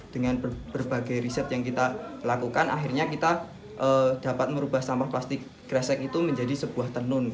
dengan berbagai riset yang kita lakukan akhirnya kita dapat merubah sampah plastik gresik itu menjadi sebuah tenun